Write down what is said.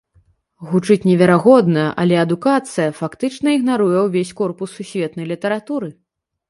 Гучыць неверагодна, але адукацыя фактычна ігнаруе ўвесь корпус сусветнай літаратуры.